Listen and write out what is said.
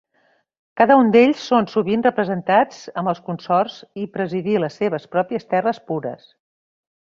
Cada un d'ells són sovint representats amb els consorts, i presidir les seves pròpies terres pures.